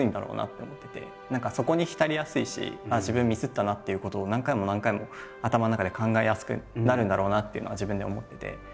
何かそこに浸りやすいしああ自分ミスったなっていうことを何回も何回も頭の中で考えやすくなるんだろうなっていうのは自分で思ってて。